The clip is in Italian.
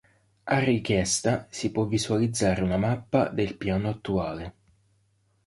A richiesta si può visualizzare una mappa del piano attuale.